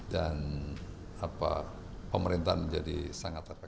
dan pemerintahan menjadi sangat efektif